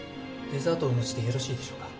デザートをお持ちしてよろしいでしょうか？